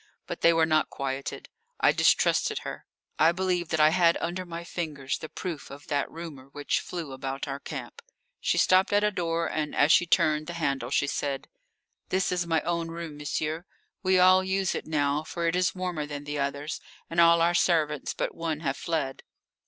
But they were not quieted. I distrusted her; I believed that I had under my fingers the proof of that rumour which flew about our camp. She stopped at a door, and as she turned the handle she said: "This is my own room, monsieur. We all use it now, for it is warmer than the others, and all our servants but one have fled."